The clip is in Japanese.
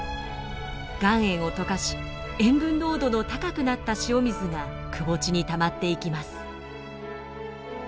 岩塩を溶かし塩分濃度の高くなった塩水がくぼ地にたまっていきます。